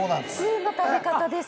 通の食べ方です。